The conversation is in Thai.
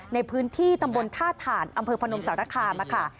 ในพื้นที่ตำบลท่าถ่านอำเภอพนมสารคามค่ะ